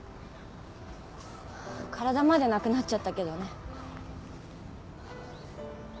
体までなくなっちゃったけどね。